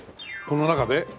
この中で？